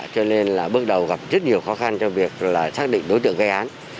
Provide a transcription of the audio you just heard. cho nên là bước đầu gặp rất nhiều khó khăn cho việc là xác định đối tượng gây án